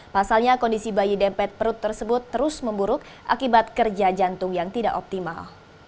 pasalnya kondisi bayi dempet perut tersebut terus memburuk akibat kerja jantung yang tidak optimal